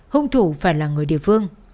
hùng thủ phải là người địa phương